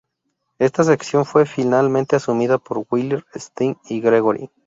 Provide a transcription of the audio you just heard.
Esta sección fue finalmente asumida por Weller, Sting y Gregory.